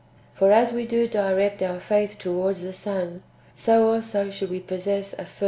For as we do direct our faith towards the Son, so also should we possess a firm 1 Matt.